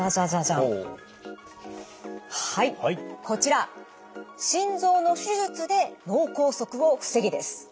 こちら「心臓の手術で脳梗塞を防げ！」です。